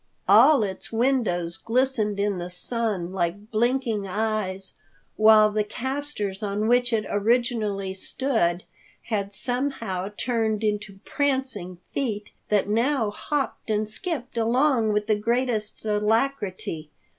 All its windows glistened in the sun like blinking eyes, while the castors on which it originally stood had somehow turned into prancing feet that now hopped and skipped along with the greatest alacrity.